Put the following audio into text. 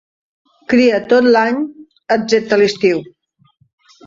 Cria tot l'any, excepte a l'estiu.